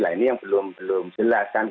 ini yang belum jelas